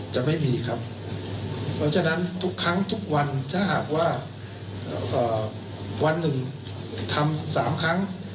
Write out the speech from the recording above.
จะไม่มีครับเพราะฉะนั้นทุกครั้งทุกวันถ้าหากว่าวันหนึ่งทำ๓ครั้ง